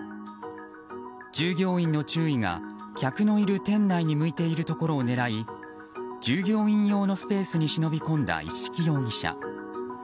従業員の注意が、客のいる店内に向いているところを狙い従業員用のスペースに忍び込んだ一色容疑者。